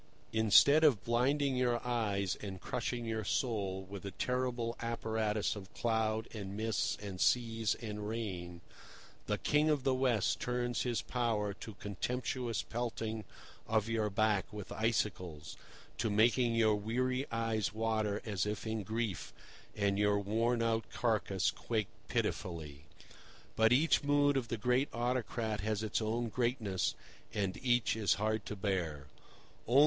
Instead of blinding your eyes and crushing your soul with a terrible apparatus of cloud and mists and seas and rain, the King of the West turns his power to contemptuous pelting of your back with icicles, to making your weary eyes water as if in grief, and your worn out carcass quake pitifully. But each mood of the great autocrat has its own greatness, and each is hard to bear.